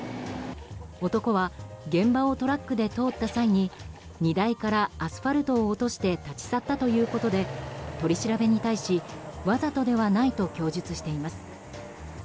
男は現場をトラックで通った際に荷台からアスファルトを落として立ち去ったということで取り調べに対しわざとではないと供述しています。